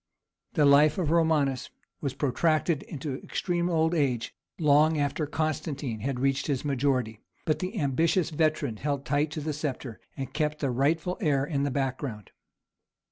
The life of Romanus was protracted into extreme old age, long after Constantine had reached his majority; but the ambitious veteran held tight to the sceptre, and kept the rightful heir in the background.